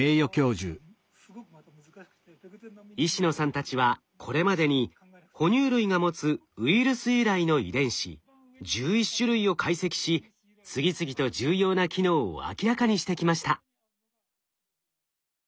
石野さんたちはこれまでにほ乳類が持つウイルス由来の遺伝子１１種類を解析し次々と重要な機能を明らかにしてきました。